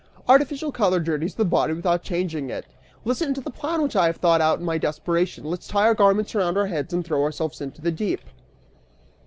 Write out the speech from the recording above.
Artificial color dirties the body without changing it. Listen to the plan which I have thought out in my desperation; let's tie our garments around our heads and throw ourselves into the deep!"